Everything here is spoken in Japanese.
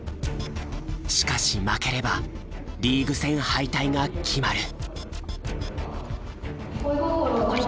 しかし負ければリーグ戦敗退が決まる。